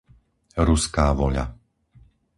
Ruská Voľa